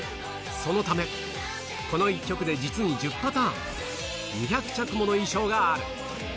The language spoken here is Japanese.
そのため、この１曲で実に１０パターン、２００着もの衣装がある。